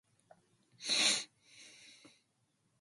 Bartlett had left the group by then and did not play on the album.